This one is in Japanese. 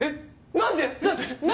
何で？